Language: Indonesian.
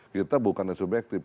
kita bukan yang subjektif